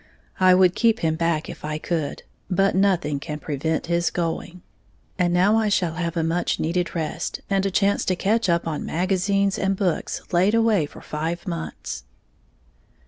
I would keep him back if I could; but nothing can prevent his going. And now I shall have a much needed rest, and a chance to catch up on magazines and books laid away for five months.